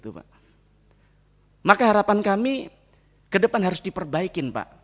maka harapan kami ke depan harus diperbaikin pak